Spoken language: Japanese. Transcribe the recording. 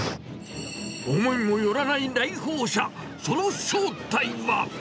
思いも寄らない来訪者、その正体は。